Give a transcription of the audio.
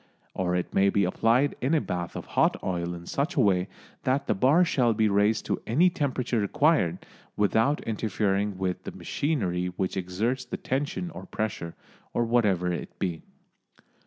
Or it may be placed in a bath of hot oil in such a way that the bar shall be raised to any temperature required, without interfering with the machinery which exerts the tension or pressure, or whatever it be.